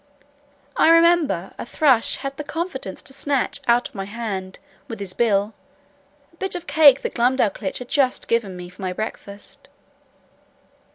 I remember, a thrush had the confidence to snatch out of my hand, with his bill, a piece of cake that Glumdalclitch had just given me for my breakfast.